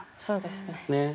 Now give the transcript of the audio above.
そうですね。